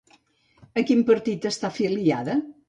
A quin partit està afiliada?